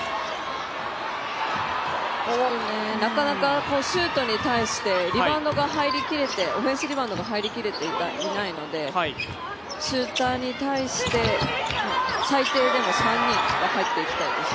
なかなかシュートに対してオフェンスリバウンドが入り切れていないので、シューターに対して、最低でも３人は入っていきたいです。